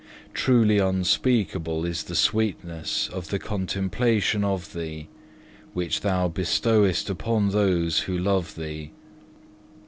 Truly unspeakable is the sweetness of the contemplation of Thee, which Thou bestowest upon those who love Thee.